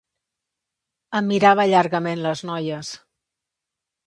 Em mirava llargament les noies.